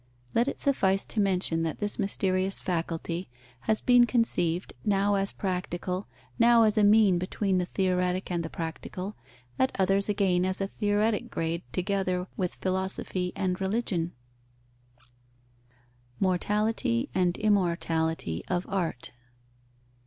Let it suffice to mention that this mysterious faculty has been conceived, now as practical, now as a mean between the theoretic and the practical, at others again as a theoretic grade together with philosophy and religion. _Mortality and immortality of art.